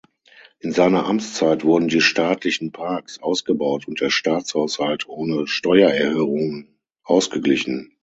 In seiner Amtszeit wurden die staatlichen Parks ausgebaut und der Staatshaushalt ohne Steuererhöhungen ausgeglichen.